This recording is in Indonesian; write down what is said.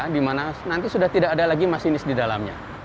di mana nanti sudah tidak ada lagi masinis di dalamnya